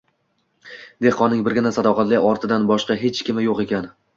Dehqonning birgina sadoqatli otidan boshqa hech kimi yo’q ekan